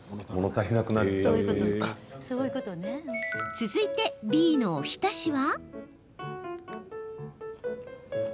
続いて、Ｂのお浸しは？